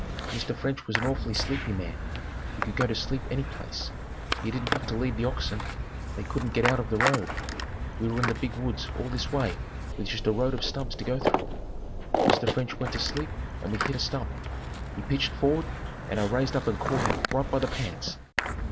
Mr. French was an awfully sleepy man. He could go to sleep any place. He didn't have to lead the oxen. They couldn't get out of the road. We were in the big woods all this way with just a road of stumps to go through. Mr. French went to sleep and we hit a stump. He pitched forward, and I raised up and caught him right by the pants.